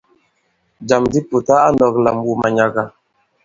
Jàm di Pùta a nɔ̄k lam wu manyaga.